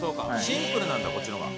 シンプルなんだこっちの方が。